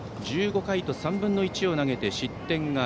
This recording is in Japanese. １５回と３分の１を投げて失点が５。